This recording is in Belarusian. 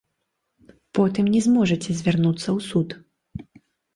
Потым не зможаце звярнуцца ў суд.